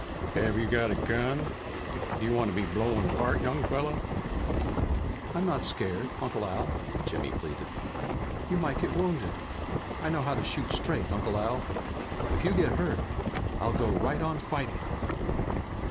"Have you got a gun? Do you want to be blown apart, young fella?" "I'm not scared, Uncle Al," Jimmy pleaded. "You might get wounded. I know how to shoot straight, Uncle Al. If you get hurt I'll go right on fighting!"